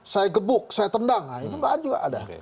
saya gebuk saya tendang nah itu bahan juga ada